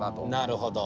なるほど。